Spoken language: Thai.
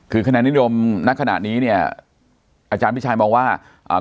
คือคะแนนนิยมณขณะนี้เนี่ยอาจารย์พี่ชายมองว่าอ่า